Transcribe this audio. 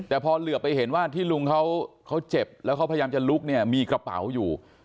แต่พอเหลือไปเห็นว่าที่ลุงเขาเจ็บแล้วเขาพยายามจะลุกเนี่ยมีกระเป๋าอยู่